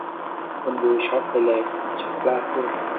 คุณดูช็อคไปเลย ฉันกล้าพูด